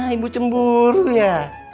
ibu cemburu ya